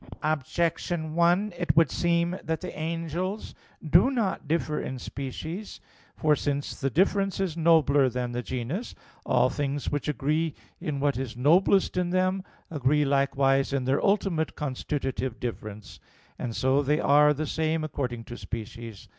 Objection 1: It would seem that the angels do not differ in species. For since the "difference" is nobler than the 'genus,' all things which agree in what is noblest in them, agree likewise in their ultimate constitutive difference; and so they are the same according to species.